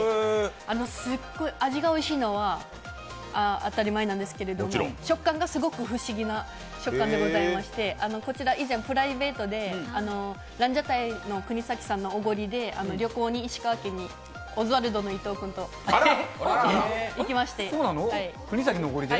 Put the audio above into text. すっごい味がおいしいのは当たり前なんですけどすごく不思議な食感でございまして、こちら以前、プライベートでランジャタイの国崎さんのおごりで旅行に石川県に、オズワルドの伊藤君と行きまして。